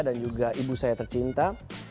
dan juga ibu saya tercinta